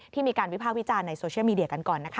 มีการวิภาควิจารณ์ในโซเชียลมีเดียกันก่อนนะคะ